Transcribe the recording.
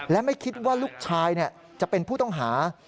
และไม่คิดว่าลูกชายจะเป็นผู้ต้องหา